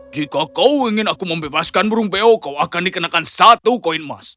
jika kau ingin aku membebaskan burung beo kau akan dikenakan satu koin emas